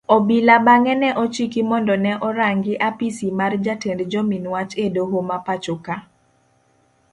Obila bange ne ochiki mondo ne orangi apisi mar jatend jomin wach edoho mapachoka